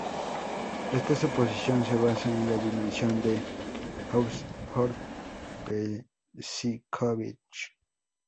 Esta suposición se basa en la dimensión de Hausdorff-Besicovitch.